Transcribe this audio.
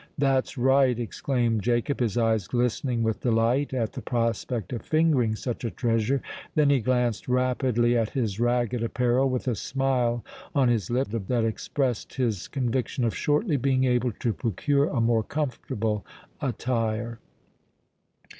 "That's right!" exclaimed Jacob, his eyes glistening with delight at the prospect of fingering such a treasure: then he glanced rapidly at his ragged apparel, with a smile on his lip that expressed his conviction of shortly being able to procure a more comfortable attire.